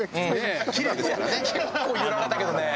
結構揺られたけどね。